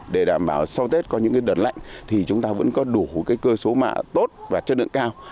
để đảm bảo sau tết có những đợt lạnh thì chúng ta vẫn có đủ cơ số mạ tốt và chất lượng cao